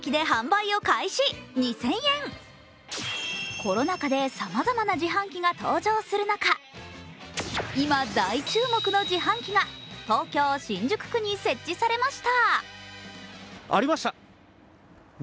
コロナ禍でさまざまな自販機が登場する中、今、大注目の自販機が東京・新宿区に設置されました。